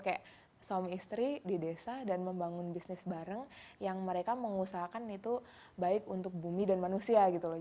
kayak suami istri di desa dan membangun bisnis bareng yang mereka mengusahakan itu baik untuk bumi dan manusia gitu loh